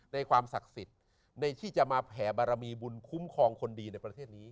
ความศักดิ์สิทธิ์ในที่จะมาแผ่บารมีบุญคุ้มครองคนดีในประเทศนี้